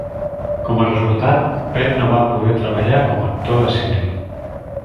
Com a resultat, Penn no va poder treballar com a actor de cine.